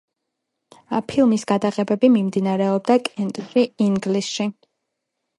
ფილმის გადაღებები მიმდინარეობდა კენტში, ინგლისში.